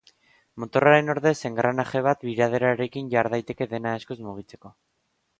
Motorraren ordez engranaje bat biraderarekin jar daiteke dena eskuz mugitzeko.